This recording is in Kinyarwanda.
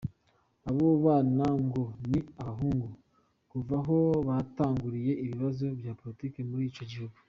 Abo bana ngo ni abahunze kuva aho hatanguriye ibibazo vya politike muri ico gihugu.